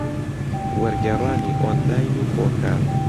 وەرگێڕانی ئۆنلاین و خۆکار